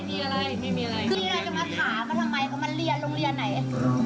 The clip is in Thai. ทีนี้เราจะมาถามว่าทำไมก็มาเรียนโรงเรียนไหน